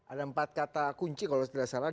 ada empat kata kunci kalau tidak salah